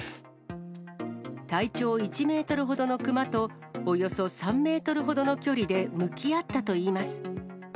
体長１メートルほどの熊と、およそ３メートルほどの距離で向き合ったといいます。